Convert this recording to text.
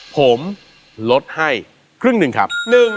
ผมลดให้ครึ่งหนึ่งครับ